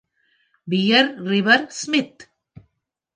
"Pier River" Smith.